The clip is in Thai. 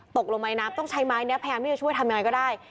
ตกลงไม้น้ำต้องใช้ไม้นี้พยายามที่จะช่วยทำยังไงก็ได้